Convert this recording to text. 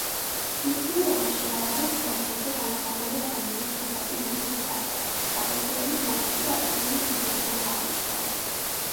მეცნიერებმა შეადარეს პორტრეტზე გამოსახული ადამიანის ასაკი მუმიის ასაკს გარდაცვალების მომენტში და ისინი იდენტური აღმოჩნდა.